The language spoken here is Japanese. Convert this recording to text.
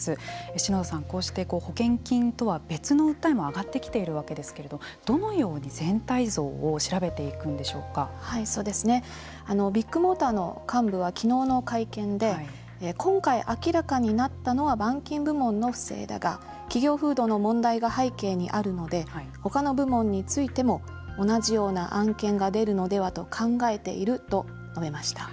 篠田さん、こうして保険金とは別の訴えも上がってきているわけですけれどもどのように全体像をビッグモーターの幹部は昨日の会見で今回、明らかになったのは板金部門の不正だが企業風土の問題が背景にあるので他の部門についても同じような案件が出るのではと考えていると述べました。